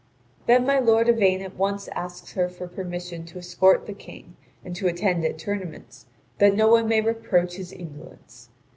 Then my lord Yvain at once asks her for permission to escort the King and to attend at tournaments, that no one may reproach his indolence.